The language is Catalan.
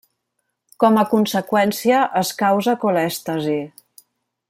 Com a conseqüència, es causa colèstasi.